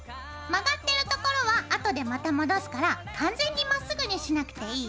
曲がってるところは後でまた戻すから完全にまっすぐにしなくていいよ。